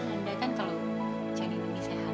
anda kan kalau caning ini sehat